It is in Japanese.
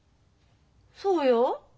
そうよ。